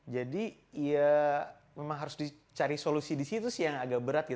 jadi memang harus dicari solusi di situ sih yang agak berat